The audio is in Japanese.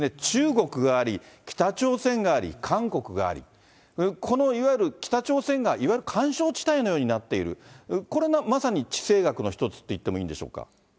中国があり、北朝鮮があり、韓国があり、このいわゆる北朝鮮がいわゆる緩衝地帯のようになっている、これがまさに地政学の一つと言ってもいいんでしょうか。